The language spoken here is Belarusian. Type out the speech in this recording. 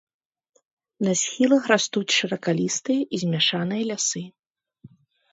На схілах растуць шыракалістыя і змяшаныя лясы.